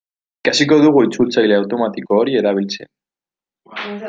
Ikasiko dugu itzultzaile automatiko hori erabiltzen.